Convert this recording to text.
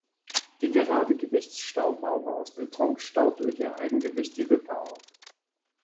Die gerade Gewichtsstaumauer aus Beton staut durch ihr Eigengewicht die Wipper auf.